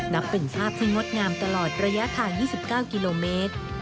นับเป็นภาพที่งดงามตลอดระยะทาง๒๙กิโลเมตร